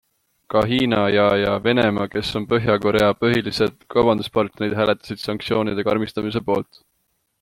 Ka Hiina ja ja Venemaa, kes on Põhja-Korea põhilised kaubanduspartnerid, hääletasid sanktsioonide karmistamise poolt.